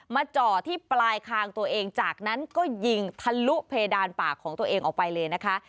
จ่อที่ปลายคางตัวเองจากนั้นก็ยิงทะลุเพดานปากของตัวเองออกไปเลยนะคะ